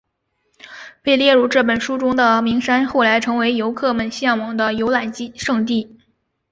被列入这本书中的名山后来成为游客们向往的游览胜地。